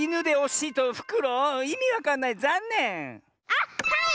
あっはい！